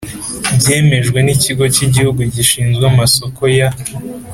byemejwe n Ikigo cy Igihugu Gishinzwe Amasoko ya